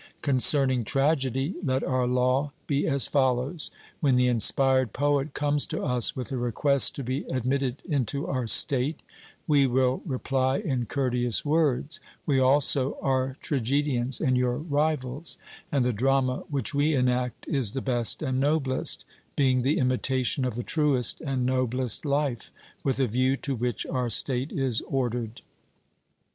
Concerning tragedy, let our law be as follows: When the inspired poet comes to us with a request to be admitted into our state, we will reply in courteous words We also are tragedians and your rivals; and the drama which we enact is the best and noblest, being the imitation of the truest and noblest life, with a view to which our state is ordered.